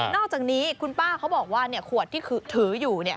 อกจากนี้คุณป้าเขาบอกว่าขวดที่ถืออยู่